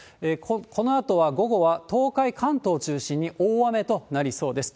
このあとは午後は東海、関東を中心に大雨となりそうです。